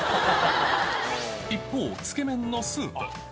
一方、つけ麺のスープ。